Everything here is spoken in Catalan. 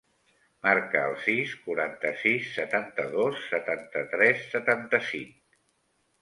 Marca el sis, quaranta-sis, setanta-dos, setanta-tres, setanta-cinc.